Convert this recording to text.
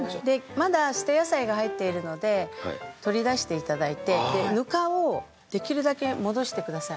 まだ捨て野菜が入っているので取り出していただいてぬかをできるだけ戻してください。